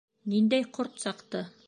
Ниндәй ҡорт саҡты?